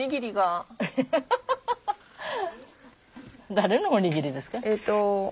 誰のおにぎりですか？